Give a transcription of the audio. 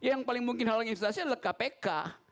yang paling mungkin halangi investasi adalah kpk